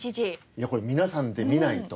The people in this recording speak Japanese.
いやこれ皆さんで見ないと。